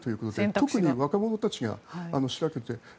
特に若者たちがしらけて。